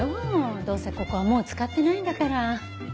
どうせここはもう使ってないんだから。